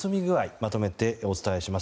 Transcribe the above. まとめてお伝えします。